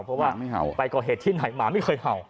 เพราะว่าไปก่อเหตุที่ไหนหมาไม่เคยเห่า